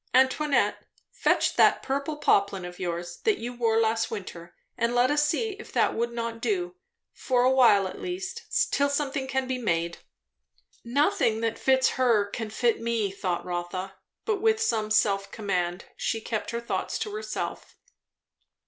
"Antoinette, fetch that purple poplin of yours, that you wore last winter, and let us see if that would not do, for a while at least, till something can be made." Nothing that fits her can fit me, thought Rotha; but with some self command she kept her thoughts to herself.